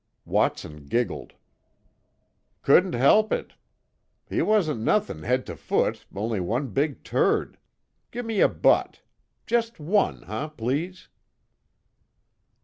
Watson giggled. "Couldn't he'p it, he wasn't nothing head to foot on'y one big turd. Gi' me a butt. Just one, huh, please?"